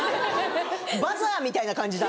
バザーみたいな感じだ